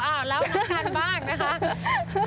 แล้วนักการบ้างนะคะ